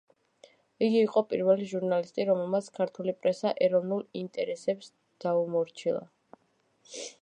იგი იყო პირველი ჟურნალისტი, რომელმაც ქართული პრესა ეროვნულ ინტერესებს დაუმორჩილა.